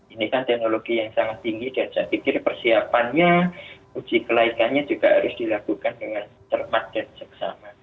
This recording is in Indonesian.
ini kan teknologi yang sangat tinggi dan saya pikir persiapannya uji kelaikannya juga harus dilakukan dengan cermat dan seksama